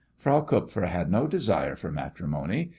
Frau Kupfer had no desire for matrimony.